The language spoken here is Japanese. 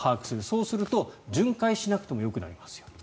そうすると、巡回しなくてもよくなりますよと。